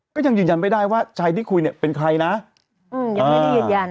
ก็ยังยืนยันไม่ได้ว่าชายที่คุยเนี่ยเป็นใครนะยังไม่ได้ยืนยัน